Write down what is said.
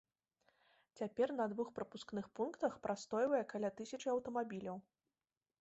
Цяпер на двух прапускных пунктах прастойвае каля тысячы аўтамабіляў.